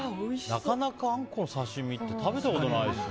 なかなかアンコウの刺し身って食べたことないですね。